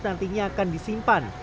nantinya akan disimpan